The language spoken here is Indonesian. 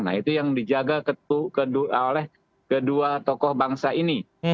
nah itu yang dijaga oleh kedua tokoh bangsa ini